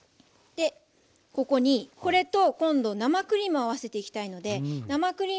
ここにこれと今度生クリームを合わせていきたいので生クリーム